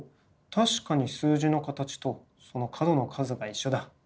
確かに数字の形とその角の数が一緒だ。